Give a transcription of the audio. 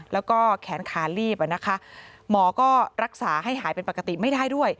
แล้วก็แขนขาลีบหมอก็รักษาให้หายเป็นปกติไม่ได้ด้วย